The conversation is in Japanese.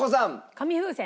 紙風船。